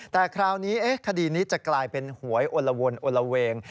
แต่คราวนี้คดีนี้จะกลายเป็นหวยอลวนโอละเวง